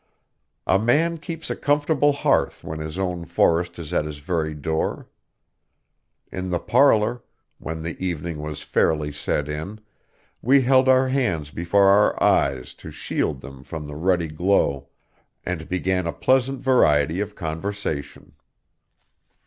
A man keeps a comfortable hearth when his own forest is at his very door. In the parlor, when the evening was fairly set in, we held our hands before our eyes to shield them from the ruddy glow, and began a pleasant variety of conversation.